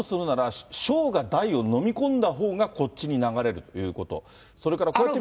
勝つとするなら、小が大を飲み込んだほうがこっちに流れるっていうこと、それから。